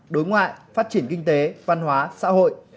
đối ngoại phát triển kinh tế văn hóa xã hội